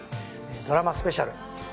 ドラマスペシャル『友情』